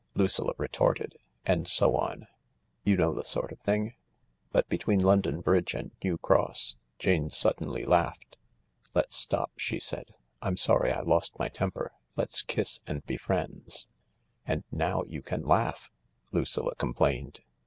Lucilla retorted. And so on. You know the sort of thing ? But between London Bridge and New Cross, Jane suddenly laughed. "Let's stop," she said. " I'm sorry I lost my temper. Let's kiss and be friends." " And now you can laugh !" Lucilla complained.